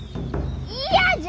嫌じゃ！